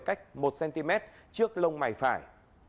cách một cm trước lông mày phải